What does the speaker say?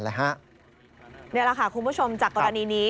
นี่แหละค่ะคุณผู้ชมจากกรณีนี้